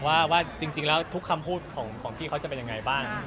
ว่าจริงแล้วทุกคำพูดของพี่เขาจะเป็นยังไงบ้าง